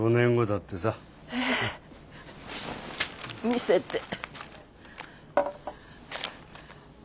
見せて。